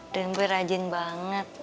dan buya rajin banget